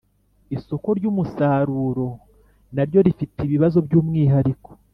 Isoko ry umusaruro naryo rifite ibibazo by umwihariko